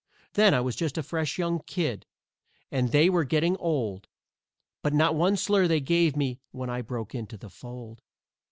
Then I was just a fresh young kid, and they were getting old, But not one slur they gave me when I broke into the fold.